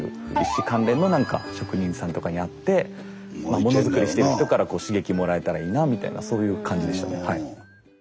石関連の何か職人さんとかに会ってものづくりしてる人からこう刺激もらえたらいいなみたいなそういう感じでしたね。